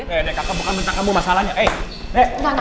eh deh kakak bukan bentak kamu masalahnya